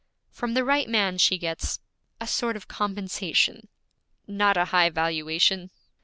'From the right man she gets a sort of compensation.' 'Not a high valuation.'